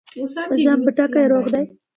ایا زما پوټکی روغ دی؟